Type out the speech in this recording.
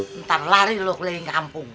bentar lari lo keleling kampung